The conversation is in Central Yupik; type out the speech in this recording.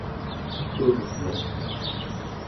kuv'uq